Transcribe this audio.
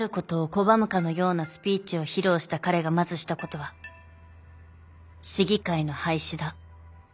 拒むかのようなスピーチを披露した彼がまずしたことは市議会の廃止だ。